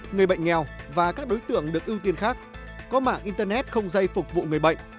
người bệnh nghèo và các đối tượng được ưu tiên khác có mạng internet không dây phục vụ người bệnh